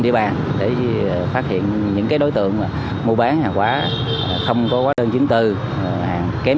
địa bàn để phát hiện những cái đối tượng mà mua bán hàng quán không có quán đơn chứng từ hàng kém